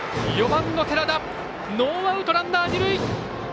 ４番の寺田ノーアウト、ランナー、二塁！